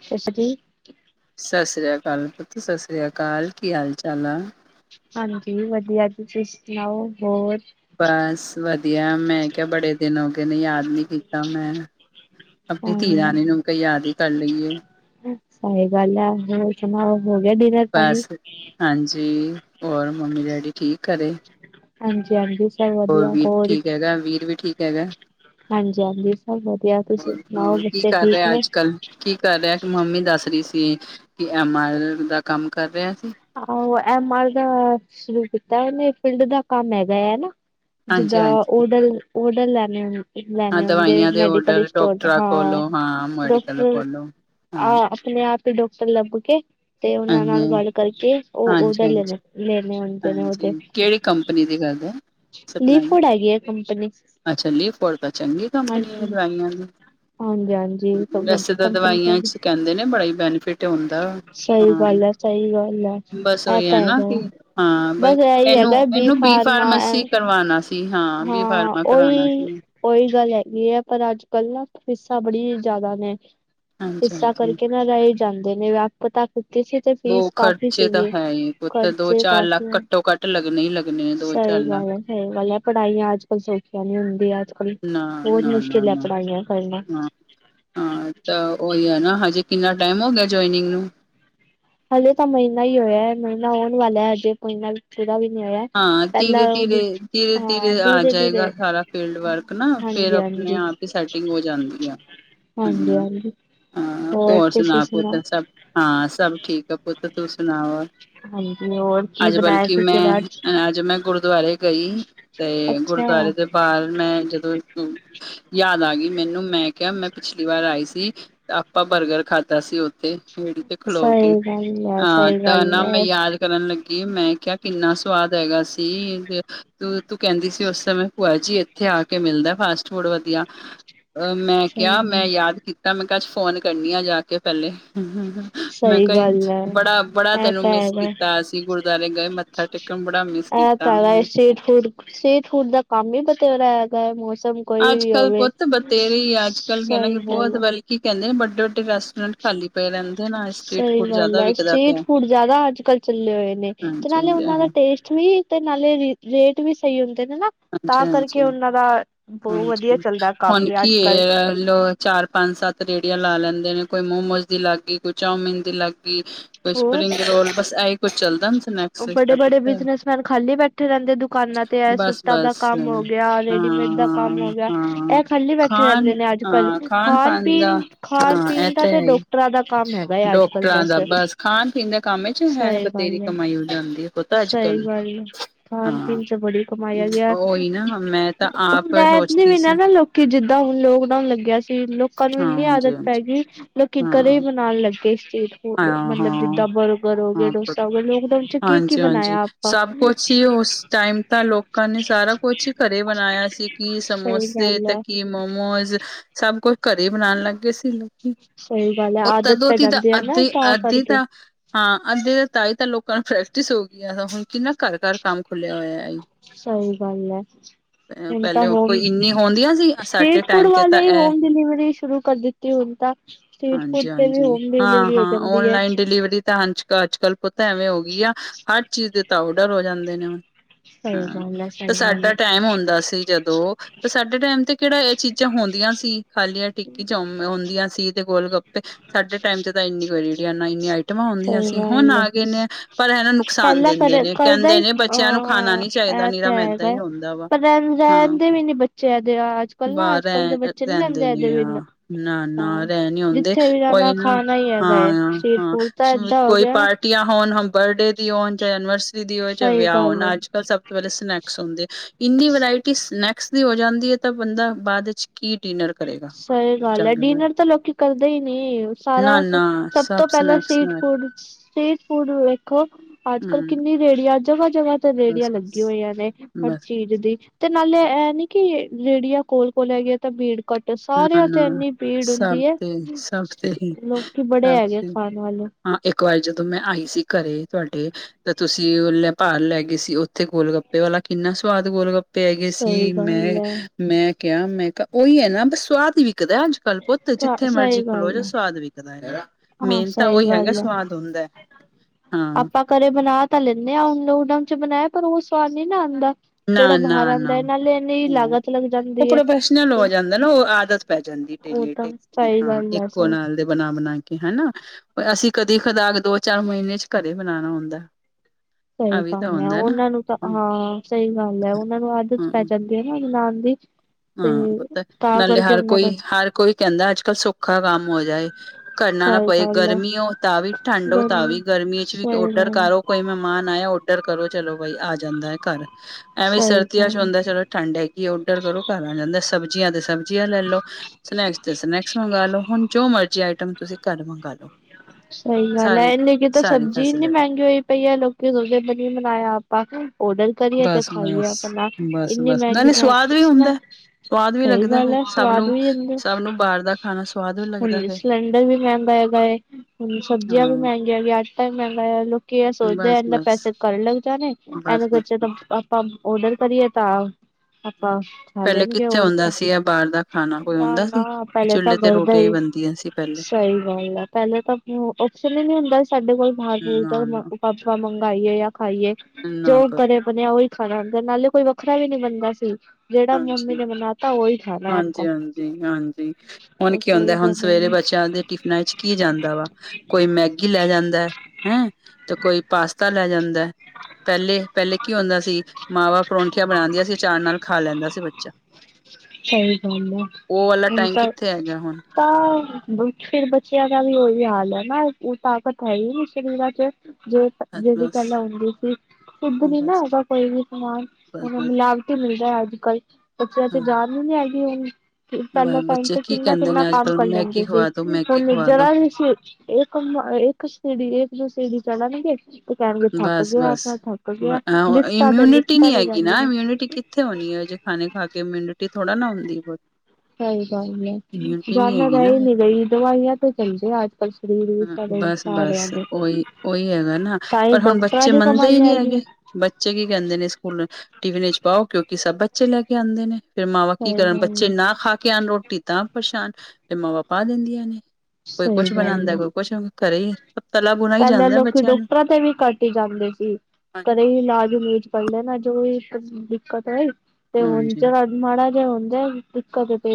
ਸਤਿ ਸ਼੍ਰੀ ਜੀ। ਸਤਿ ਸ੍ਰੀ ਅਕਾਲ, ਪੁਤ ਸਤਿ ਸ੍ਰੀ ਅਕਾਲ। ਕੀ ਹਾਲ- ਚਾਲ ਆ? ਹਾਂਜੀ। ਵਧੀਆ ਜੀ। ਤੁਸੀਂ ਸੁਣਾਓ ਹੋਰ? ਬਸ ਵਧੀਆ। ਮੈਂ ਕਿਹਾ, ਬੜੇ ਦਿਨ ਹੋ, ਗਏ ਨੇ। ਯਾਦ, ਨੀ ਕੀਤਾ ਮੈਂ। ਆਪਣੀ ਹੂੰ ਧੀ ਰਾਣੀ ਨੂੰ ਕਈ ਯਾਦ ਹੀ ਕਰ ਲਈਏ ਸਹੀ ਗੱਲ ਆ। ਹੋਰ ਸੁਣਾਓ, ਹੋ ਗਿਆ, ਡਿਨਰ ਪਾਣੀ? ਬਸ ਹਾਂਜੀ। ਹੋਰ ਮੰਮੀ- ਡੈਡੀ ਠੀਕ ਘਰੇ? ਹਾਂਜੀ, ਹਾਂਜੀ। ਸਭ ਹੋਰ ਵਧੀਆ ਵੀਰ ਠੀਕ ਹੈਗਾ? ਵੀਰ ਵੀ ਠੀਕ ਹੈਗਾ? ਹਾਂਜੀ- ਹਾਂਜੀ, ਸਭ ਵਧੀਆ, ਤੁਸੀਂ ਹੋਰ ਸੁਣਾਓ ਹੋਰ ਕੀ ਬੱਚੇ ਕਰ ਠੀਕ ਰਿਹਾ ਨੇ? ਅੱਜ ਕੱਲ ਕੀ ਕਰ ਰਿਹਾ? ਮੰਮੀ ਦੱਸ ਰਹੀ ਸੀ। ਕਿ ਐਮ ਆਰ, ਦਾ ਕੰਮ ਕਰ ਰਿਹਾ। ਆਹੋ। ਐਮ ਆਰ, ਦਾ ਸ਼ੁਰੂ ਕੀਤਾ, ਏਹਨੇ ਫੀਲਡ ਦਾ ਕੰਮ ਹੈਗਾ ਹੈ। ਹਾਂਜੀ ਜਿੱਦਾਂ ਹਾਂਜੀ ਓਡਲ ਓਡਲ ਲੈਣੇ ਹ ਹਾਂ ਲੈਣੇ ਹੁੰਦੇ ਦਵਾਈਆਂ ਦੇ ਮੈਡੀਕਲ ਔਡਰ ਸਟੋਰ ਤੋਂ ਡਾਕਟਰਾਂ ਹਾਂ ਕੋਲੋਂ ਹਾਂ ਮੈਡੀਕਲ ਡਾਕਟਰ ਕੋਲੋਂ ਹਾਂ ਆਪਣੇ ਆਪ ਹੀ ਡਾਕਟਰ ਲੱਭ ਕੇ ਤੇ ਉਹਨਾਂ ਨਾਲ ਹਾਂਜੀ ਗੱਲ ਕਰਕੇ ਉਹ ਹਾਂਜੀ ਉਧਰ ਹਾਂਜੀ ਲੈਣੇ ਲੈਣੇ ਹਉਦੇ ਨੇ ਉਹਦੇ ਨੀ ਦੀ ਗੱਲਦਾ ਹੈ ਸਪਲਾਈ, ਲੀਫਵੁਡ ਹੈਗੀ ਹੈ ਕੰਪਨੀ ਅੱਛਾ ਲੀਪੜ ਤਾਂ ਚੰਗੀ ਕੰਪਨੀ ਨੇ ਹਾਂਜੀ ਦਵਾਈਆਂ ਦੀ ਹਾਂਜੀ ਹਾਂਜੀ ਵੈਸੇ ਤਾਂ ਕੰਪਨੀ ਦਵਾਈਆਂ ਚ ਕਹਿੰਦੇ ਨੇ ਬੜਾ ਹੀ ਬੈਨੀਫਿਟ ਹੁੰਦਾ ਸਹੀ ਗੱਲ ਹੈ ਸਹੀ ਗੱਲ ਹੈ ਹਾਂ ਬਸ ਇਹ ਉਹੀ ਹੈ ਤਾਂ ਨਾ ਹੈਗਾ ਕਿ ਹਾਂ ਬਸ ਇਹੀ ਇਹਨੂੰ ਹੈਗਾ ਇਹਨੂੰ ਬੀ ਫਾਰਮਾ ਫਾਰਮਾਸੀ ਕਰਵਾਣਾ ਸੀ, ਹਾਂ ਬੀ ਫਾਰਮਾ ਕਰਵਾਉਣਾ ਸੀ ਉਹੀ ਗੱਲ ਹੈਗੀ ਹੈ ਪਰ ਅੱਜ ਕੱਲ੍ਹ ਨਾ ਹਿੱਸਾ ਬੜੀ ਜ਼ਿਆਦਾ ਨੇ ਹਿੱਸਾ ਹਾਂਜੀ-ਹਾਂਜੀ। ਕਰਕੇ ਰਾਹੀਂ ਜਾਂਦੇ ਨੇ ਵੀ ਆਪਤਾੱਕਤੇ ਸੀ ਬਹੁ ਫੀਸ ਕਾਫ਼ੀ ਖਰਚੇ ਤਾਂ ਸੀਗੀ, ਹੈ ਹੀ ਪੁੱਤ ਦੋ ਖਰਚੇ ਚਾਰ ਕਾਫੀ ਲੱਖ ਹੈ, ਘੱਟੋ ਘੱਟ ਲੱਗਣੇ ਹੀ ਲੱਗਣੇ ਨੇ ਦੋ ਚਾਰ ਸਹੀ ਗੱਲ ਲੱਖ। ਹੈ ਹ ਗੱਲ ਪੜਾਈਆਂ ਅੱਜ ਕੱਲ ਸੌਖੀਆਂ ਨੀ ਹੁੰਦੀਆਂ, ਅੱਜਕਲ ਬਹੁਤ ਮੁਸ਼ਕਿਲ ਹੈ ਨਾ-ਨਾ-ਨਾ-ਨਾ, ਪੜ੍ਹਾਈਆਂ ਕਰਨਾ। ਹਾਂ-ਹਾਂ ਆ ਤਾਂ ਉਹੀ ਹੈ ਨਾ ਹਜੇ ਕਿੰਨਾ ਟਾਈਮ ਹੋ ਗਿਆ ਜੁਆਇਨਿੰਗ ਨੂੰ ਹਲੇੇ ਤਾਂ ਮਹੀਨਾ ਹੀ ਹੋਇਆ ਹੈ ਮਹੀਨਾ ਹੋਣ ਵਾਲਾ ਹੈ ਹਜੇ ਮਹੀਨਾ ਵੀ ਪੂਰਾ ਨਹੀਂ ਹੋਇਆ। ਹਾਂ ਪਹਿਲਾਂ ਧੀਰੇ ਉਦ -ਧੀਰੇ, ਧੀਰੇ ਹਾਂ -ਧੀਰੇ ਆ ਜਾਏਗਾ ਧੀਰੇ ਸਾਰਾ ਫੀਲਡ ਵਰਕ ਨਾ ਫੇਰ ਹਾਂਜੀ ਆਪਣੇ ਹਾਂਜੀ ਆਪ ਹੀ ਸੈਟਿੰਗ ਹੋ ਜਾਂਦੀ ਆ ਹਾਂ ਹਾਂਜੀ-ਹਾਂਜੀ ਹਾਂ ਹੋਰ ਤੁਸੀ ਸੁਣਾ ਸੁਣਾਓ ਪੁੱਤ ਸਭ, ਹਾਂ ਸਭ ਠੀਕ ਆ ਪੁੱਤ ਤੂੰ ਸੁਣਾ ਆ ਹਾਂਜੀ ਹੋਰ ਕੀ ਬਣਾਇਆ ਸੀ ਅੱਜ ਅੱਜ ਮੈਂ ਗੁਰਦੁਆਰੇ ਗਈ, ਤੇ ਅੱਛਾ ਗੁਰਦੁਆਰੇ ਦੇ ਬਾਅਦ ਮੈਂ ਜਦੋਂ ਯਾਦ ਆ ਗਈ ਮੈਨੂੰ ਮੈਂ ਕਿਹਾ ਮੈਂ ਪਿਛਲੀ ਵਾਰ ਆਈ ਸੀ ਆਪਾਂ ਬਰਗਰ ਖਾਧਾ ਸੀ। ਰੇਹੜੀ ਤੇ ਖਲੋ ਸਹੀ ਕੇ ਗੱਲ ਹੈ ਹਾਂ ਸਹੀ ਗੱਲ ਤਾਂ ਨਾ ਮੈਂ ਹੈ ਯਾਦ ਕਰਨ ਲੱਗੀ ਮੈਂ ਕਿਹਾ ਕਿੰਨਾ ਸਵਾਦ ਹੈਗਾ ਸੀ ਤੂੰ, ਤੂੰ ਕਹਿੰਦੀ ਸੀ ਉਸ ਸਮੇਂ ਭੂਆ ਜੀ ਇੱਥੇ ਆ ਕੇ ਮਿਲਦਾ ਫਾਸਟ ਫੂਡ ਵਧੀਆ ਮੈਂ ਸਹੀ ਕਿਹਾ ਮੈਂ ਗੱਲ ਯਾਦ ਕੀਤਾ ਮੈਂ ਕਿਹਾਜ ਫੋਨ ਕਰਨੀ ਆ ਜਾ ਕੇ ਪਹਿਲੇ ਮੈਂ ਸਹੀ ਕਈ ਗੱਲ ਹੈ। ਬੜਾ ਬੜਾ ਇਹ ਤੈਨੂੰ ਤਾਂ ਮਿਸ ਹੈਗਾ ਕੀਤਾ ਅਸੀਂ ਗੁਰਦੁਆਰੇ ਗਏ ਮੱਥਾ ਟੇਕ ਇਹ ਤਾਂ ਸਟਰੀਟ ਫੂਡ ਸਟਰੀਟ ਫੂਡ ਦਾ ਕੰਮ ਹੀ ਬਥੇਰਾ ਹੈਗਾ ਹੈ ਮੌਸਮ ਕੋਈ ਵੀ ਅੱਜ-ਕੱਲ ਹੋਵੇ। ਪੁੱਤ ਬਥੇਰੇ ਅੱਜ ਕੱਲ ਕਹਿੰ ਸਹੀ ਕਿ ਗੱਲ ਬਹੁਤ ਹੈ ਵਤਲ ਕੀ ਕਹਿੰਦੇ ਨੇ ਵੱਡੇ ਵੱਡੇ ਰੈਸਟੋਰੈਂਟ ਖਾਲੀ ਪਏ ਰਹਿੰਦੇ ਨਾ ਸਟਰੀਟ ਸਹੀ ਫੂਡ ਗੱਲ ਜ਼ਿਆਦਾ ਹੈ ਵਿਕਦਾ ਸਟ੍ਰਰੀਟ ਪਿਆ ਫੂਡ ਜਿਆਦਾ ਅੱਜ ਕਲ ਚੱਲੇ ਹੋਏ ਨੇ ਹਾਂਜੀ ਕਿਨਾਂ ਨੇ ਹਾਂਜੀ ਉਹਨਾਂ ਦਾ ਟੇਸਟ ਵੀ ਤੇ ਨਾਲੇ ਰੇਟ ਵੀ ਸਹੀ ਹੁੰਦੇ ਨੇ ਨਾ ਤਾਂ ਕਰਕੇ ਉਹਨਾਂ ਦਾ ਬਹੁਤ ਵਧੀਆ ਹਾਂ ਚੱਲਦਾ ਕੰਮ ਹੁਣ ਵੀ ਕੀ ਅੱਜ ਕੱਲ ਹੈ ਲੋ ਚਾਰ- ਪੰਜ ਸੱਤ ਰੇੜੀਆਂ ਲਾ ਲੈਂਦੇ ਨੇ ਕੋਈ ਮੋਮੋਜ਼ ਦੀ ਲੱਗ ਗਈ ਕੋਈ ਚਾਮਿਨ ਦੀ ਲਾਗ ਗਈ ਕਿ ਹੋਰ ਸਪਰਿੰਗ ਰੋਲ ਬਸ ਇ ਕੁਛ ਚੱਲਦਾ ਨੀ ਸਨੈਕਸ ਇਸਦਾ ਕੁਤਰ ਇਕੱਠੇ ਰਹਿੰਦੇ ਦੁਕਾਨਾਂ ਤੇ ਹੈ ਸੂੱਟਾਂ ਦਾ ਕੰਮ ਹਾਂ ਹੋ ਗਿਆ, ਰੇਡੀਮੇਡ ਦਾ ਕੰਮ ਹੋ ਹਾਂ ਗਿਆ ਹਾਂ ਇਹ ਖਾਲੀ ਬੈਠੇ ਖਾਣ ਰਹਿੰਦੇ ਨੇ ਅੱਜ ਕੱਲ੍ਹ ਹਾਂ ਖਾਣ ਪਾਣ ਦਾ ਪੀਣ, ਖਾਣ ਹਾਂ ਇਹ ਪੀਣ ਦਾ ਤਾਂ ਤੇ ਹੈ ਹੀ ਰਾਂ ਦਾ ਕੰਮ ਹੈਗਾ ਆ ਅੱਜ ਕੱਲ੍ਹ ਡਾਕਟਰਾਂ ਵੈਸ ਦਾ ਬਸ ਖਾਣ ਪੀਂਦਾ। ਕੰਮ 'ਚ ਹੈ ਬਥੇਰੀ ਕਮਾਈ ਹੋ ਜਾਂਦੀ ਹੈ ਪਤਾ ਸਹੀ ਅੱਜਕੱਲ ਗੱਲ ਹੈ ਖਾਣ ਪੀਣ ਹਾਂ। ਚ ਬੜੀ ਕਮਾਇਆ ਉਹੀ ਨਾ ਮੈਂ ਤਾਂ ਆਪ ਸੋਚਦੀ ਵੀ ਨਾ ਸੀ ਨਾ ਲੋਕੀ ਜਿੱਦਾਂ ਹੁਣ ਲੋਕਡਾਊਨ ਲੱਗਿਆ ਸੀ ਲੋਕਾਂ ਨੂੰ ਹਾਂ ਇੰਨੀ ਹਾਂਜੀ ਆਦਤ ਪੈ ਹਾਂਜੀ ਗਈ ਲੋਕੀ ਘਰੇ ਹੀ ਬਣਾਉਣ ਲੱਗੇ ਸਟਰੀਟ ਫੂਡ ਹ ਮਤਲਬ ਜਿੱਦਾਂ ਹਾਂ- ਬਰਗਰ ਹੋ ਗਏ ਹਾਂ ਡੋਸਾ ਹੋ ਗਏ ਲੋਕਡਾਊਨ ਚ ਕੀ ਕੀ ਹਾਂਜੀ -ਹਾਂਜੀ ਬਣਾਇਆ ਆਪਾਂ ਸਭ ਕੁਛ ਹੀ ਉਸ ਟਾਈਮ ਤਾਂ ਲੋਕਾਂ ਨੇ ਸਾਰਾ ਕੁਛ ਹੀ ਘਰੇ ਬਣਾਇਆ ਸੀ ਕੀ ਸਹੀ ਸਮੋਸੇ, ਗੱਲ ਤੇ ਹੈ ਕੀ ਮੋਮੋਜ ਸਭ ਕੁਛ ਘਰੇ ਹੀ ਬਣਾਉਣ ਲੱਗ ਗਏ ਸੀ ਸਹੀ ਗੱਲ ਹੈ ਉਹ ਆਦਤ ਤਦੋਂ ਪੈ ਦੀ ਤਾਂ ਜਾਂਦੀ ਹੈ ਨਾ ਅੱਧੇ ਤਾਂ ਅੱਧੇ ਕਰਕੇ ਤਾਂ ਹਾਂ ਅੱਧੇ ਤਾਈ ਤਾਂ ਲੋਕਾਂ ਨੂੰ ਪ੍ਰੈਕਟਿਸ ਹੋ ਗਈ ਆ ਹੁਣ ਕਿੰਨਾ ਘਰ ਘਰ ਕੰਮ ਖੁੱਲਿਆ ਹੋਇਆ ਹੈ ਸਹੀ ਗੱਲ ਹੈ ਹੁਣ ਪਹਿਲੇ ਤਾਂ ਹੋਮ ਕੋਈ ਇੰਨੀ ਹੁੰਦੀਆਂ ਸੀ ਸਾਡੇ ਸਟ੍ਰੀਟ ਫੂਡ ਟਾਈਮ ਤੇ ਵਾਲੇ ਤਾਂ ਹੀ ਇਹ ਹੋਮ ਡਿਲੀਵਰੀ ਸ਼ੁਰੂ ਕਰ ਦਿੱ ਤੇ ਹੁਣ ਤਾਂ ਸਟਰੀਟ ਫੂਡ ਹਾਂਜੀ ਤੇ ਵੀ ਹੋ ਹਾਂਜੀ ਗਈ। ਹਾਂ ਡਿਲੀਵਰੀ -ਹਾਂ ਔਨਲਾਈਨ ਡਿਲੀਵਰੀ ਤਾਂ ਅ ਅੱਜ ਕੱਲ੍ਹ ਪਤਾ ਐਵੇਂ ਹੋ ਗਈ ਆ ਹਰ ਚੀਜ਼ ਦੇ ਤਾਂ ਓਡਰ ਹੋ ਜਾਂਦੇ ਨੇ ਹੁਣ ਸਹੀ ਹਾਂ ਗੱਲ ਹੈ ਸਹੀ ਤੇ ਗੱਲ ਸਾਡਾ ਹੈ ਟਾਈਮ ਹੁੰਦਾ ਸੀ ਜਦੋਂ ਤੇ ਸਾਡੇ ਟਾਈਮ ਤੇ ਕਿਹੜਾ ਇਹ ਚੀਜ਼ਾਂ ਹੁੰਦੀਆਂ ਸੀ ਖਾਲੀਆਂ ਟਿੱਕੀ ਚੋ ਹੁੰਦੀਆਂ ਸੀ ਤੇ ਗੋਲ ਗੱਪੇ ਸਾ ਸਾਡੇ ਟਾਈਮ 'ਚ ਤਾਂ ਇੰਨੀ ਕੁ ਨਾ ਇੰਨੀਆਂ ਆਈਟਮਾਂ ਹੁੰਦੀਆਂ ਸਹੀ ਸੀ ਹੁਣ ਗੱਲ ਹੈ ਆ ਗਏ ਨੇ ਆ ਪਰ ਇਹਨੂੰ ਨੁਕਸਾਨ ਪਹਿਲਾਂ ਦਿੰਦੇ ਕਰ ਨੇ ਕਰਦਾ ਕਹਿੰਦੇ ਹੀ ਨੇ ਬੱਚਿਆਂ ਨੂੰ ਖਾਣਾ ਅਹ ਨੀ ਚਾਹੀਦਾ ਇਹ ਨਿਰਾ ਤਾਂ ਮੈਦਾ ਹੈਗਾ। ਹੀ ਹੁੰਦਾ ਵਾ ਪਰ ਰਹਿ ਹਾਂ। ਰਹਿੰਦੇ ਵੀ ਨੀ ਬੱਚੇ ਇਹਦੇ ਅੱਜ ਕੱਲ ਨਾ ਬਾਹ ਅੱਜ ਕੱਲ ਦੇ ਰਹਿ ਬੱਚੇ ਨੀ ਰਹਿੰਦੇ ਇਹਦੇ ਨੀ ਆ ਬਿਨ। ਨਾ- ਨਾ ਹਾਂ ਰਹਿ ਨੀ ਹੁੰਦੇ ਜਿੱਥੇ ਵੀ ਜਾਣਾ ਉਹੀ ਨਾ ਹਾਂ ਖਾਣਾ ਹੀ ਹੈਗਾ ਹੈ ਸਟ੍ਰੀਟ ਫੂਡ ਤਾਂ -ਹਾਂ ਏਦਾਂ ਹੋ ਕੋਈ ਗਿਆ ਪਾਰਟੀਆਂ ਹੋਣ ਬਰਡੇ ਦੀ ਹੋਣ ਚਾਹੇ ਐਨਨੀਵਰਸਰੀ ਦੀ ਹੋਵੇ 'ਚ ਸਹੀ ਵਿਆਹ ਗੱਲ ਹੋਣ ਹੈ। ਅੱਜ ਕਲ ਸਭ ਤੋਂ ਪਹਿਲੇ ਸਨੈਕਸ ਹੁੰਦੇ। ਇੰਨੀ ਵਰਾਇਟੀ ਸਨੈਕਸ ਦੀ ਹੋ ਜਾਂਦੀ ਹੈ ਤਾਂ ਬੰਦਾ ਬਾਅਦ ਵਿੱਚ ਕੀ ਡਿਨਰ ਕਰੇਗਾ ਸਹੀ ਗੱਲ ਜਾ ਹੈ ਕੇ ਬਾਹਰ ਡਿਨਰ ਤਾਂ ਲੋਕੀ ਕਰਦੇ ਹੀ ਨੀ। ਨਾ ਸਾਰਾ ਨਾ ਸਭ ਤੋਂ ਪਹਿਲਾਂ ਸਨੈਕਸ ਸਟ੍ਰੀਟ ਨਾਲ ਫੂਡ ਸਟ੍ਰੀਟ ਫੂਡ ਵੇਖੋ ਅੱਜ ਕੱਲ ਹਮ ਕਿੰਨੀ ਰੇਹੜੀਆਂ ਜਗ੍ਹਾ- ਜਗ੍ਹਾ ਤੇ ਰੇਹੜੀਆਂ ਬਸ ਬਸ ਲੱਗੀ ਹੋਈਆਂ ਨੇ ਹਰ ਬਸ ਚੀਜ਼ ਬਸ ਦੀ ਤੇ ਨਾਲੇ ਇਹ ਨੀ ਕਿ ਰੇਹੜੀਆਂ ਕੋਲ- ਕੋਲ ਹੈਗੀ ਤਾਂ ਬੀੜ ਨਾ- ਨਾ ਸਭ ਹੈ ਤੇ ਸਭ ਤੇ ਹੀ ਲੋਕੀ ਬੜੇ ਸਭ ਹੈਗੇ ਤੇ ਖਾਣ ਵਾਲੇ ਹਾਂ ਇੱਕ ਵਾਰੀ ਜਦੋਂ ਮੈਂ ਆਈ ਸੀ ਘਰੇ ਤੁਹਾਡੇ ਤਾਂ ਤੁਸੀਂ ਲ ਭਾਰ ਲੈ ਗਏ ਸੀ ਉੱਥੇ ਗੋਲ ਗੱਪੇ ਵਾਲਾ ਕਿੰਨਾ ਸਵਾਦ ਗੋਲ ਗੱਪ ਪੈ ਗਏ ਸਹੀ ਸੀ ਮੈਂ ਗੱਲ ਹੈ -ਮੈਂ ਕਿਹਾ ਮੈਂ ਕਿਹਾ ਉਹੀ ਹੈ ਨਾ ਬ ਸਵਾਦ ਹੀ ਵਿਕਦਾ ਅੱਜ ਕਲ ਪੁੁੱਤ ਜਿੱਥੇ ਸਹੀ ਮਰਜ਼ੀ ਖਲੋ ਗੱਲ ਜਾ ਹੈ ਸਵਾਦ ਵਿਕਦਾ ਹੈਗਾ। ਹਾਂ ਮੇਹਨ ਤਾਂ ਸਹੀ ਉਹੀ ਹੈਗਾ ਗੱਲ ਹੈ ਸਵਾਦ ਹੁੰਦਾ ਹਾਂ। ਆਪਾਂ ਘਰੇ ਬਣਾ ਤਾਂ ਲੈਂਦੇ ਹਾਂ ਹੁਣ ਲੋਕਡਾਊਨ 'ਚ ਬਣਾਇਆ ਪਰ ਉਹ ਸਵਾਦ ਨੀ ਨਾ ਆਂਦਾ। ਨਾ ਜਿਹੜਾ ਬਾਹਰ ਨਾ ਨਾ ਆਂਦਾ ਇਹ ਨਾਲੇ ਇੰਨੀ ਲਾਗਤ ਲੱਗ ਜਾਂਦੀ ਏ। ਨਾਲ ਹੋ ਜਾਂਦਾ ਨਾ ਉਹ ਆਦਤ ਪੈ ਜਾਂਦੀ ਉਹ ਡੇਲੀ ਤਾਂ ਦੀ ਸਹੀ ਹਾਂ ਗੱਲ ਹੈ ਇੱਕੋ ਸਹੀ। ਨਾਲ ਬਣਾ ਬਣਾ ਕੇ ਹਨਾ। ਅਸੀਂ ਕਦੀ ਖੁਦਾਕ ਦੋ ਚਾਰ ਮਹੀਨੇ 'ਚ ਘਰੇ ਬਣਾਣਾ ਹੁੰਦਾ। ਸਹੀ ਆ ਵੀ ਤਾਂ ਗੱਲ ਹੈ ਹੁੰਦਾ ਨਾ ਉਹਨਾਂ ਨੂੰ ਤਾਂ ਹਾਂ ਸਹੀ ਗੱਲ ਹੈ ਉਹਨਾਂ ਨੂੰ ਆਦਤ ਪੈ ਹਾਂ ਜਾਂਦੀ। [unintelligible] ਹਾਂ ਪੁਤ ਤਾਂ ਨਾਲੇ ਕਰਕੇ ਹਰ ਉਹਨਾਂ ਦਾ ਕੋਈ ਹਰ ਕੋਈ ਕਹਿੰਦਾ ਅੱਜ ਕੱਲ ਸੌਖਾ ਕੰਮ ਹੋ ਜਾਏ। ਕਰਨਾ ਨਾ ਸਹੀ ਪਏ ਗੱਲ ਹੈ ਗਰਮੀ ਹੋ ਤਾਂ ਵੀ ਠੰਡ ਹੋ ਤਾਂ ਵੀ ਗਰਮੀ 'ਚ ਵੀ ਸਹੀ ਓਡਰ ਗੱਲ ਕਰੋ। ਕੋਈ ਮਹਿਮਾਨ ਆਇਆ ਓਡਰ ਕਰੋ ਚਲੋ ਬਾਈ ਆ ਜਾਂਦਾ ਹੈ ਘਰ ਐਵੇਂ ਸਹੀ ਸਰਦੀਆਂ 'ਚ ਗੱਲ ਹੁੰਦਾ ਚਲੋ। ਠੰਡ ਹੈ ਕਿ ਓਡਰ ਕਰੋ ਘਰ ਆ ਜਾਂਦਾ ਸਬਜ਼ੀਆਂ ਤੇ ਸਬਜ਼ੀਆਂ ਲੈ ਲਓ। ਸਨੈਕਸ ਤੇ ਸਨੈਕਸ ਮੰਗਾ ਲੋ ਹੁਣ ਜੋ ਮਰਜ਼ੀ ਆਈਟਮ ਤੁਸੀਂ ਘਾਰ ਮੰਗਾ ਲੋ। ਸਹੀ ਗੱਲ ਹੈ ਸਾਰੀ ਇਹ ਲੇ ਕਿ ਤਾਂ ਸਾਰੀ ਸਬਜ਼ੀ ਇੰਨੀ ਫੈਸਿਲਿਟੀ ਮਹਿੰਗੀ ਹੋਈ ਪਈ ਹੈ ਲੋਕ ਦਦੇ [unintelligible] ਪਨੀਰ ਬਨਾਇਆ ਆਪਾਂ ਉਡਰ ਕਰੀਏ ਤੇ ਬਸ ਖਾਈਏ ਬਸ ਆਪ ਬਸ ਇੰਨੀ ਬਸ ਮਹਿੰਗੀ ਨਾਲੇ ਸਵਾਦ ਵੀ ਮ ਹੁੰਦਾ ਸਵਾਦ ਵੀ ਲੱਗਦਾ ਫਿਰ ਸਭ ਨੂੰ ਸਭ ਨੂੰ ਬਾਹਰ ਦਾ ਖਾਣਾ ਸਵਾਦ ਵੀ ਲੱਗਦਾ ਹੁਣ ਫਿਰ ਸਿਲੰਡਰ ਵੀ ਮਹਿੰਗਾ ਹੈਗਾ ਹੈ ਹੁ ਸਬਜ਼ੀਆਂ ਵੀ ਹਾਂ, ਮਹਿੰਗੀਆਂ ਹੈ ਗਈਆਂ ਆਟਾ ਵੀ ਮਹਿੰਗਾ ਲੋਕੀ ਇਹ ਸੋਚਦੇ ਆ ਇਨਾ ਪੈਸੇ ਘਰ ਲੱਗ ਜਾਣੇ ਬਸ ਇਹਨੂੰ -ਬਸ ਬੱਚੇ ਆਪਾਂ ਔਡਰ ਕਰੀਏ ਤਾਂ ਆਪਾਂ ਹੂੰ। 'ਚ ਪਹਿਲੇ ਲੈਣਗੇ ਕਿੱਥੇ ਹੋਰ ਹੁੰਦਾ ਕੀ ਸੀ ਐ ਬਾਹਰ ਦਾ ਖਾਣਾ ਕੋਈ ਨਾ- ਹੁੰਦਾ ਸੀ? ਨਾ ਪਹਿਲੇ ਤਾਂ ਚੁੱਲ੍ਹੇ ਤੇ ਗਰਦੇ ਰੋਟੀਆਂ ਹੀ ਬਣਦੀਆਂ ਸੀ ਪਹਿਲੇ ਸਹੀ ਗੱਲ ਆ ਪਹਿਲੇ ਤਾਂ ਉਪਸ਼ਨ ਹੀ ਨਹੀਂ ਹੁੰਦਾ ਸਾਡੇ ਕੋਲ ਬਾਗ ਬੂਗ ਦਾ ਨਾ-ਨਾ, ਆਪਾਂ ਮੰਗਾਈਏ ਜਾਂ ਖਾਈਏ ਜੋ ਨਾ ਪੁੱਤ ਕਰੇ। ਆਪਣਿਆ ਉਹੀ ਖਾਣਾ ਹੁੰਦਾ ਨਾਲੇ ਕੋਈ ਵੱਖਰਾ ਵੀ ਨਹੀਂ ਬਣਦਾ ਸੀ। ਜਿਹੜਾ ਮੰਮੀ ਹਾਂਜੀ- ਨੇ ਬਣਾ ਤਾ ਉਹੀ ਖਾਣਾ ਆਪਾਂ ਹਾਂਜੀ- ਹਾਂਜੀ -ਹਾਂਜੀ ਹੁਣ ਕੀ ਬਸ ਹੁੰਦਾ ਉਹੀ ਹੁਣ ਗੱਲ ਸਵੇਰੇ ਹੈ। ਬੱਚਿਆਂ ਦੇ ਟਿਫਨਾਂ 'ਚ ਕੀ ਜਾਂਦਾ ਵਾ। ਕੋਈ ਮੈਗੀ ਲੈ ਜਾਂਦਾ ਹੈਂ ਤੇ ਕੋਈ ਪਾਸਤਾ ਲੈ ਜਾਂਦਾ। ਪਹਿਲੇ ਪਹਿਲੇ ਕੀ ਹੁੰਦਾ ਸੀ ਮਾਵਾਂ ਪਰੌਂਠੀਆਂ ਬਣਾਉਂਦੀਆਂ ਸੀ ਅਚਾਰ ਨਾਲ ਖਾ ਲੈਂਦਾ ਸੀ ਬੱਚਾ ਸਹੀ ਗੱਲ ਹੈ ਉਹ ਵਾਲਾ ਹੁਣ ਟਾਈਮ ਤਾਂ ਕਿੱਥੇ ਹੈਗਾ ਹੁਣ ਤਾਂ ਫਿਰ ਬੱਚਿਆਂ ਦਾ ਵੀ ਉਹੀ ਹਾਲ ਹੈ ਨਾ ਉਹ ਤਾਕਤ ਹੈ ਹੀ ਨੀ ਸਰੀਰਾਂ ਚ ਜ ਬਸ ਬਸ ਖੁਧ ਨੀ ਨਾ ਉਹਦਾ ਕੋਈ ਵੀ ਸਮਾਨ ਬਸ ਬਸ ਬਸ ਮਿਲਾਵਟੀ ਮਿਲਦਾ ਅੱਜ ਕੱਲ ਬੱਚਿਆਂ ਤੇ ਹਾਂ। ਜਾਨ ਨਹੀਂ ਹੈਗੀ ਬ ਪਹਿਲ ਟਾਈਮ ਬੱਚੇ ਕੀ ਕਿੰਨਾ ਕਹਿੰਦੇ ਕਿੰਨਾ ਨੇ ਅੱਜ ਕੰਮ ਕੱਲ੍ਹ ਕਰ ਮੈਗੀ ਲੈਂਦੇ ਸੀ ਖਵਾ ਦੋ ਮੈਗੀ ਹੁਣ ਖਵਾ ਦੋ ਜਰਾ ਇੱਕ ਇੱਕ ਸੀੜੀ ਇੱਕ ਦੋ ਸੜੀ ਚੜਨਗੇ ਤੇ ਕਹਿਣਗੇ ਥੱਕ ਗਿਆ ਬੱਸ ਆਪਣਾ ਥੱਕ ਗਿਆ ਲਿਫਟਾਂ ਤੇ ਇਮਊਨੀਿਟੀ ਲਿਫਟਾਂ ਨੀ ਤੇ ਹੈਗੀ ਜਾਂਦੇ ਨਾ ਨੇ ਇਮਿਊਨਿਟੀ ਕਿੱਥੇ ਹੋਣੀ ਹੈੇ ਖਾ ਖਾ ਕੇ ਇਮਿਊਨਿਟੀ ਥੋੜਾ ਨਾ ਹੁੰਦੀ ਸਹੀ ਗੱਲ ਹੈ ਇਮਿਊਨਿਟੀ ਨਹੀਂ ਜਾਨਾ ਹੈਗੀ ਰਹਿ ਹੀ ਨੀ ਗਈ ਦਵਾਈਆਂ ਤੇ ਚੱਲਦੇ ਅੱਜ ਹ ਬਸ ਬਸ ਉਹੀ ਉਹੀ ਹੈਗਾ ਨਾ ਤਾਂ ਹੀ ਪਰ ਹੁਣ ਡਾਕਟਰਾਂ ਬੱਚੇ ਦੀ ਮੰਨਦੇ ਹੀ ਕਮਾਈਆਂ ਨਹੀਂੀ ਹੈਗੇ ਹੈਗੀਆਂ ਬੱਚੇ ਕੀ ਕਹਿੰਦੇ ਨੇ ਸਕੂਲ ਟੀਵਨ ਚ ਪਾਓ ਕਿਉਂਕਿ ਸਭ ਬੱਚੇ ਲੈ ਕੇ ਆਉਂਦੇ ਨੇ ਫਿਰ ਮਾਵਾਂ ਕੀ ਸਹੀ ਕਰਨ ਗੱਲ ਬੱਚੇ ਹੈ ਨਾ ਖਾ ਕੇ ਆਉਣ ਰੋਟੀ ਤਾਂ ਪਰੇਛਾਣ ਫਿਰ ਮਾਵਾਂ ਪਾ ਦਿੰਦੀਆਂ ਨੇ ਕੋਈ ਸਹੀ ਕੁਛ ਗੱਲ ਬਣਾਉਂਦਾ ਆ ਕੋਈ ਕੁਛ ਕਰੇ ਹੀ ਤਲਾ ਬੁਣਾ ਹੀ ਜਾਂਦਾ ਬੱਚਿਆਂ ਨੂੰ ਫਿਰ ਵੀ ਘੱਟ ਹੀ ਜਾਂਦੇ ਨੇ ਜੀ ਘਰੇ ਹਾਂਜੀ ਹੀ ਇਲਾਜ ਲੂਜ ਕਰ ਲਈਦਾ ਜੇ ਕੋਈ ਦਿੱਕਤ ਹੈ ਤਾਂ ਤੇ ਹੁਣ ਹਾਂਜੀ, ਚਲੋ ਜੀ ਮਾੜਾ ਜਿਹਾ ਹੁੰਦਾ ਦਿੱਕਤ ਤੇ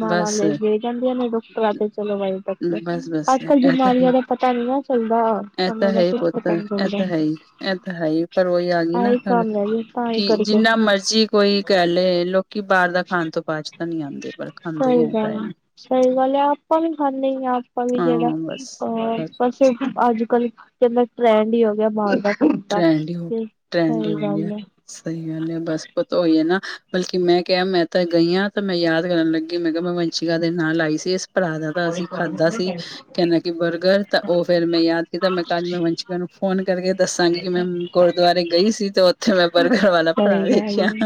ਮਾਵਾਂ ਲੈ ਜਾਂਦੀਆਂ ਡਾਕਟਰ ਚਲੋ ਬਾਈ ਡਾਕਟਰ ਬਸ ਬਸ ਅੱਜ ਕੱਲ ਐ ਤਾਂ ਹੈ ਬਿਮਾਰੀਆਂ ਦਾ ਪਤਾ ਨੀ ਨਾ ਚੱਲਦਾ ਐ ਤਾਂ ਸਮੇਂ ਦਾ ਹੈ ਕੁਛ ਪੁਤ ਪਤਾ ਨੀ ਐ ਚੱਲਦਾ ਤਾਂ ਹੈ ਹੀ ਇਹ ਤਾਂ ਹੈ ਹੀ ਪਰ ਉਹੀ ਆ ਗਈ ਨਾ ਆਹੀ ਕੰਮ ਰਹਿ ਗਿਆ ਤਾਂ ਹੀ ਕਿ ਕਰਕੇ ਜਿੰਨਾ ਮਰਜੀ ਕੋਈ ਕਹਿ ਲਏ ਲੋਕ ਕਿ ਬਾਹਰ ਦਾ ਖਾਣ ਤੋਂ ਬਾਜ ਤਾਂ ਨਹੀਂ ਆਉਂਦਾ ਸਹੀ ਗੱਲ ਸਹੀ ਗੱਲ ਆਪਾਂ ਵੀ ਖਾਂਦੇ ਹੀ ਆ ਆਪਾਂ ਵੀ ਜਿਹੜਾ ਹਾਂ ਬਸ, ਅਹ ਬਸ ਅੱਜ ਕੱਲ ਕਹਿੰਦਾ ਟਰੈਂਡ ਹੀ ਹੋ ਗਿਆ ਬਾਹਰ ਦਾ ਖਾਣ ਦਾ ਟਰੈਂਡ ਹੀ ਹੋ ਤੇ ਟਰੈਂਡ ਹੀ ਸਹੀ ਹੋ ਗਿਆ ਗੱਲ ਹੈ। ਸਹੀ ਗੱਲ ਹੈ ਬਸ ਉਹ ਤਾਂ ਹੋਈ ਹੈ ਨਾ ਬਲਕਿ ਮੈਂ ਕਿਹਾ ਮੈਂ ਤਾਂ ਗਈ ਹਾਂ ਤਾਂ ਮੈਂ ਯਾਦ ਕਰਨ ਲੱਗੀ ਮੈਂ ਕਿਹਾ ਮੈਂ ਵੰਸ਼ਿਕਾ ਦੇ ਨਾਂ ਲਾਈ ਸੀ ਇਸ ਭਰਾ ਦਾ ਤਾਂ ਅਸੀਂ ਖਾਧਾ ਸੀ ਕਹ ਬਰਗਰ ਤਾਂ ਉਹ ਫੇਿਰ ਮੈਂ ਯਾਦ ਕੀਤਾ ਮੈਂ ਕੱਲ ਮ ਵਸ਼ਿਕ ਨੂੰ ਫੋਨ ਕਰਕੇ ਦੱਸਾਂਗੀ ਕਿ ਮੈਂ ਗੁਰਦੁਆਰੇ ਗਈ ਸੀ ਤੇ ਉਥੇ ਮੈਂ ਬਰਗਰ ਵਾਲਾ ਭਰਾ ਸਹੀ ਗੱਲ ਵੇਖਿਆ ਹੈ,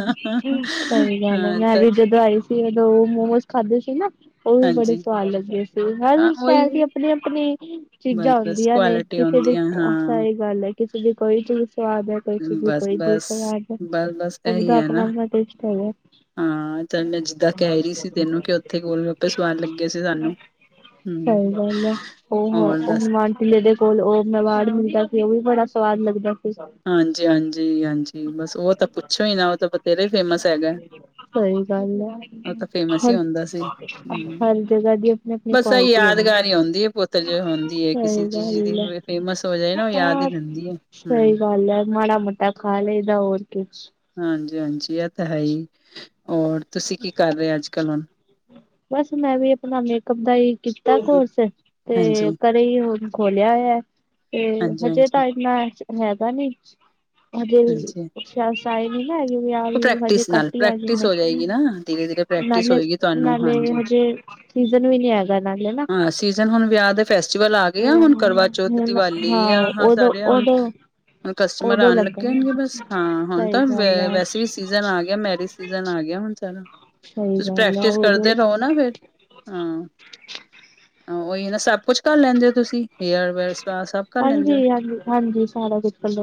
ਸਹੀ ਗੱਲ ਹੈ ਹਾਂ ਮੈਂ ਵੀ ਆਈ ਜਦੋਂ ਮੋਮੋਸ ਖਾਧਦੇ ਸੀ ਨਾ ਉਹ ਵੀ ਬੜੇ ਹਾਂਜੀ ਸਵਾਦ ਲੱਗੇ ਸੀ ਹਰ ਹਾਂ ਉਹੀ ਸ਼ਹਿਰ ਦੀ ਆਪਣੀ ਆਪਣੀ ਬਸ ਚੀਜ਼ਾਂ ਬਸ ਹੁੰਦੀਆਂ ਨੇ ਕੁਆਲਿਟੀ ਕਿਸੇ ਦੀ ਆਉਂਦੀ ਆ ਹਾਂ ਸਹੀ ਗੱਲ ਹੈ ਕਿਸੇ ਦੀ ਕੋਈ ਚੀਜ਼ ਸਵਾਦ ਹੈ ਵੀ ਬਸ ਕੋਈ ਵੀ ਬਸ ਬਸ ਬਸ ਸਭ ਇਹੀ ਦਾ ਹੈ ਨਾ ਆਪਣਾ ਆਪਣਾ ਟੇਸਟ ਹੈਗਾ ਹਾਂ ਚੱਲ ਮੈਂ ਜਿੱਦਾਂ ਕਹਿ ਰਹੀ ਸੀ ਤੈਨੂੰ ਕਿ ਉੱਥੇ ਗਲਗੱਪੇ ਵਾਪਿਸ ਵਾਰ ਲੱਗੇ ਸੀ ਸਾਨੂੰ ਹੂੰ ਸਹੀ ਗੱਲ ਐ, ਉਹ ਔਰ ਉਹ ਦੱਸ ਮਾਨ ਕਿੇ ਦੇ ਕੋਲ ਉਹ ਮਵਾੜ ਹੁੰਦਾ ਸੀ, ਉਹ ਵੀ ਬੜਾ ਸਵਾਦ ਲੱਗਦਾ ਸੀ। ਹਾਂਜੀ ਹਾਂਜੀ ਹਾਂਜੀ ਬਸ ਉਹ ਤਾਂ ਪੁੱਛੋ ਹੀ ਨਾ ਉਹ ਤਾਂ ਬਥੇਰਾ ਹੀ ਫੇਮਸ ਹੈਗਾ ਸਹੀ ਗੱਲ ਹੈ ਉਹ ਤਾਂ ਫੇਮਸ ਹੀ ਹਰ ਹੁੰਦਾ ਸੀ ਹੂੰ ਹਰ ਜਗ੍ਹਾ ਦੀ ਆਪਣੀ ਆਪਣੀ ਬਸ ਇਹ ਕੁਆਲਿਟੀ ਆ ਯਾਦਗਾਰ ਹੀ ਹੁੰਦੀ ਹੈ ਪੁੱਤ ਜੋ ਹੁੰਦੀ ਹੈ ਸਹੀ ਕਿਸੇ ਚੀਜ਼ ਦੀ ਗੱਲ ਫੇਮਸ ਹੋ ਜਾਏ ਨਾ ਉਹ ਹੈ ਯਾਦ ਹੀ ਆ ਰਹਿੰਦੀ ਹੈ ਸਹੀ ਹੂੰ ਗੱਲ ਹੈ ਮਾੜਾ ਮੋਟਾ ਖਾਲੀ ਦਾ ਹੋਰ ਕੀ ਹਾਂਜੀ ਹਾਂਜੀ ਇਹ ਤਾਂ ਹੈ ਹੀ ਹੋਰ ਤੁਸੀਂ ਕੀ ਕਰ ਰਹੇ ਅੱਜ ਕੱਲ ਹੁਣ ਬਸ ਮੈਂ ਵੀ ਆਪਣਾ ਮੇਕਅਪ ਦਾ ਹੀ ਕੀਤਾ ਕੋਰਸ ਤੇ ਹਾਂਜੀ, ਘਰੇ ਹੀ ਹੁਣ ਖੋਲਿਆ ਹੈ, ਤੇ ਹਾਂਜੀ, ਹਜੇ ਹਾਂਜੀ, ਤਾਂ ਇੰਨਾ ਰੈਦਾ ਨੀ, ਹਜੇ ਹਾਂਜੀ ਸਾਈਦ ਆਏ ਵੀ ਨਾ ਹੈਗੇ, ਵਿਆਹ ਉਹ ਵੁਆ ਹਜੇ ਪ੍ਰੈਕਟਿਸ ਨਾਲ ਘੱਟ ਹੀ ਹੇਗੇ ਪ੍ਰੈਕਟਿਸ ਨੇ। ਹੋ ਜਾਏਗੀ ਨਾ, ਧੀਰੇ-ਧੀਰੇ ਪ੍ਰੈਕਟਿਸ ਨਾਲੇ ਹੋਏਗੀ ਤੁਹਾਨੂੰ ਨਾਲੇ ਹਾਂਜੀ। ਹਜੇ ਸੀਜ਼ਨ ਵੀ ਨੀ ਹੈਗਾ ਨਾਲੇ ਨਾ ਹਾਂ ਸੀਜਨ ਹੁਣ ਵਿਆਹ ਦੇ ਫੈਸਟੀਵਲ ਆ ਗਏ, ਆ ਹੁਣ ਕਰਵਾਚੌਥ ਦੀਵਾਲੀ ਆ ਹਾਂ ਸਾਰੇ ਹੁਣ ਹੁਣ ਕਸਟਮਰ ਉਦੋਂ ਆਣ ਲੱਗੇ ਲੱਗਣ ਜਾਣਗੇ, ਬਸ ਹਾਂ ਹੁਣ ਸਹੀ ਤਾਂ ਗੱਲ ਹੈ ਵੈਸੇ ਵੀ ਸੀਜਨ ਆ ਗਿਆ, ਮੈਰਿਜ ਸੀਜਨ ਆ ਗਿਆ, ਹੁਣ ਸਾਰਾ ਸਹੀ ਤੁਸੀਂ ਗੱਲ ਹੈ ਪ੍ਰੈਕਟਿਸ ਉਦੋਂ ਕਰਦੇ ਰਹੋ ਨਾ ਫਿਰ ਹਾਂ ਉਹੀ ਨਾ ਸਭ ਕੁਛ ਕਰ ਲੈਂਦੇ, ਹੋ ਤੁਸੀਂ ਹੇਅਰ ਵੇਅਰ ਸ ਸਭ ਕਰ ਹਾਂਜੀ, ਲੈਂਦੇ ਹੋ ਹਾਂਜੀ, ਹਾਂਜੀ, ਸਾਰਾ ਕੁਛ ਹਾਜੀ,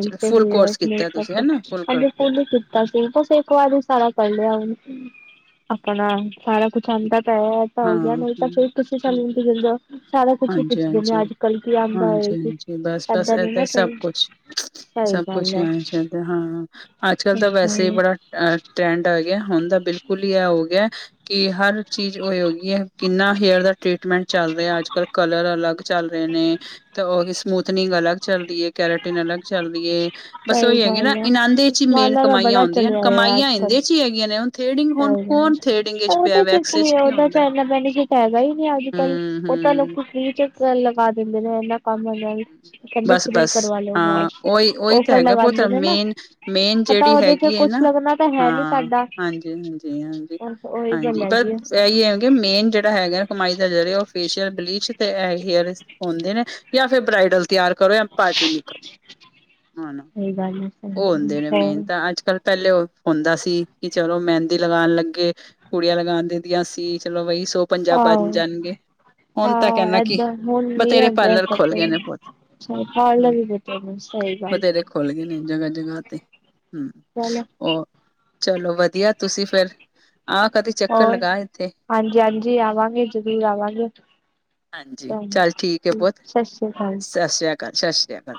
ਚਲੋ ਫੁੱਲ ਕੋਰਸ ਕੀਤਾ ਤੁਸੀਂ ਹਨਾ ਫੁੱਲ ਕੋਰਸ ਕੀਤਾ ਤਾ ਸੀ, ਬਸ ਇੱਕ ਵਾਰੀ ਸਾਰਾ ਕਰ ਲਿਆ ਹੁਣ ਆਪਣਾ ਸਾਰਾ ਕੁਛ ਆਦਾ ਤਾਂ ਹੈ। ਪਤਾ ਹਾਂ ਹੋ ਗਿਆ, ਨਹੀਂ ਤਾਂ ਫੇਰ ਤੁਸੀਂ ਸਾਨੂੰ ਹੂੰ ਕੀ ਕਹਿੰਦੇ ਹੋ ਸਾਰਾ ਕੁਛ ਹੀ ਹਾਂਜੀ ਪੁੱਛਦੇ ਹਾਂਜੀ ਅੱਜ ਕੱਲ ਕੀ ਆਦਾ ਐ, ਹਾਂਜੀ-ਹਾਂਜੀ, ਬਸ-ਬਸ ਏਦਾਂ ਨੀ ਨਾ ਹੀ ਸਭ ਕੋਈ। ਕੁਛ। ਸਭ ਕੁਛ ਹੀ ਆਣੇ ਚਾਹੀਦਾ, ਹਾਂ ਅੱਜ-ਕੱਲ ਤਾਂ ਸਹੀ ਗੱਲ ਵੈਸੇ ਹੀ ਹੈ ਬੜਾ, ਅ ਟ੍ਰੈਂਡ ਆ ਗਿਆ, ਹੁਣ ਦਾ ਬਿਲਕੁਲ ਹੀ ਆ ਹੋ ਗਿਆ, ਕਿ ਹਰ ਚੀਜ਼ ਹੋਗੀ ਹੈ, ਕਿੰਨਾ ਹੇਅਰ ਦਾ ਟ੍ਰੀਟਮੈਂਟ ਚੱਲ ਰਿਹਾ, ਅੱਜ-ਕਲ ਕਲਰ ਅਲੱਗ ਚੱਲ ਰਹੇ ਨੇ। ਤੇ ਉਹੀ ਸਮੂਥਨਿੰਗ ਅਲੱਗ ਚੱਲਦੀ ਐ। ਕੈਰੇਟਿਨ ਅਲੱਗ ਚੱਲ ਰਹੀਏ, ਬਸ ਸਹੀ ਉਹੀ ਹੈਗੀ ਨਾ ਗੱਲ ਹੈ ਇਨਾਂਦੇ ਚ ਹੀ ਮੇਨ ਮਾਲਾ ਦਾ ਕਮਾਈਆਂ ਬੜਾ ਆਦੀਆਂ ਹਨਾ ਚਲਿਆ ਆ ਕਮਾਈਆਂ ਅੱਜ ਕੱਲ ਇਦੇ ਹੀ ਹੈਗੀਆਂ, ਨੇ ਹੁਣ ਥੇਡਿੰਗ ਕੌਣ ਥੇਡਿੰਗ ਵਿਚ ਪਿਆ ਉਹਦੇ ਚ ਵੈਕਸ ਕੀ ਹੈ, ਕੀ ਉਹਦਾ ਹੁੰਦਾ ਤਾਂ ਇੰਨਾ ਬੈਨੀਫਿਟ ਹੈਗਾ, ਹੀ ਨਹੀਂ ਅੱਜ-ਕੱਲ ਪਤਾ ਨੀ ਹੂੰ-ਹੂੰ। ਕੀ ਚਕਰ ਐ। ਪਾ ਦਿੰਦੇ, ਨੇ ਇਹਨਾਂ ਕੰਮ ਆ ਕਹਿੰਦੇ ਫਰੀ ਬਸ-ਬਸ ਹਾਂ ਉਹੀ ਉਹੀ ਤਾਂ ਹੈਗਾ, ਬਹੁਤ ਨੇ ਨਾ ਮੇਨ-ਮੇਨ ਪਤਾ ਜਿਹੜੀ ਉਹਦੇ ਚ ਹੈਗੀ ਹੈ ਕੁਛ ਨਾ ਲੱਗਣਾ ਤਾਂ ਹੈ ਨੀ ਹਾਂ, ਸਾਡਾ ਹਾਂਜੀ, ਹਾਂਜੀ, ਹਾਂਜੀ, ਉਹੀ ਗੱਲ ਹਾਂਜੀ ਹੈਗੀ ਆ ਬਸ ਇਹੀ ਹੈ। ਮੇਨ ਜਿਹੜਾ ਹੈਗਾ, ਕਮਾਈ ਦਾ ਜਿਹੜੇ ਉਹ ਫੇਸ਼ੀਅਲ ਬਲੀਚ ਤੇ ਹੇਅਰ ਹੁੰਦੇ ਨੇ ਜਾਂ ਫਿਰ ਬ੍ਰਾਈਡਲ ਤਿਆਰ ਕਰੋ, ਜਾਂ ਪਾਰਟੀ ਮੇਕਅਪ, ਹਾ ਸਹੀ ਗੱਲ ਹੈ ਸਹੀ ਉਹ ਹੁੰਦੇ ਨੇ ਮੇਨ ਗੱਲ ਹੋਰ ਤਾਂ ਅੱਜ-ਕੱਲ, ਪਹਿਲੇ ਉਹ ਹੁੰਦਾ ਸੀ, ਕਿ ਚਲੋ ਮਹਿੰਦੀ ਲਗਾਨ ਲੱਗੇ। ਕੁੜੀਆਂ ਲਗਾਣ ਦਿੰਦੀਆਂ ਸੀ, ਚਲੋ ਵਹੀ ਸੋ ਪੰਜਾਬ ਆਜ ਆਹੋ ਜਾਣਗੇ, ਹੁਣ ਤਾਂ ਕਹਿੰਦਾ ਕੀ ਬਥੇਰੇ ਪਾਰਲਰ ਸ ਖੁੱਲ ਗਏ ਨੇ ਪੁੱਤ ਹੂੰ। ਵੀ ਬਟ ਸਹੀ ਗੱਲ, ਬਥੇਰੇ ਖੁੱਲ ਗਏ ਨੇ, ਜਗ੍ਹਾ-ਜਗ੍ਹਾ ਤੇ ਹੂੰ ਚਲੋ ਉਹ ਚਲੋ ਵਧੀਆ ਤੁਸੀਂ ਫਿਰ ਹੋਰ ਹਾਂਜੀ, ਹਾਂਜੀ ਆਵਾਂਗੇ ਜ਼ਰੂਰ ਆਵਾਂਗੇ। ਹਾਂਜੀ ਚੱਲ ਠੀਕ ਹੈ, ਬਹੁਤ ਸਤਿ ਸ੍ਰੀ ਅਕਾਲ। ਸਤਿ ਸ੍ਰੀ ਅਕਾਲ ਸਤਿ ਸ੍ਰੀ ਅਕਾਲ।